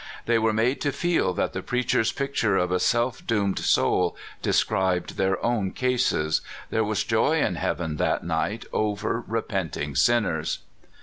They were made to feel that the preacher's picture of a self doomed soul described their own cases. There was joy in heaven that night over repenting sinners.